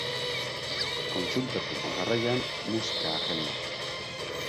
Kontsultatu, jarraian, musika-agenda.